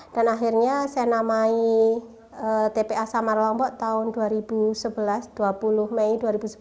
dan akhirnya saya namai tpa samara lombok tahun dua ribu sebelas dua puluh mei dua ribu sebelas